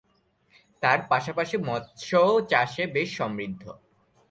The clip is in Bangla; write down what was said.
তার পাশাপাশি মৎস্য চাষে বেশ সমৃদ্ধ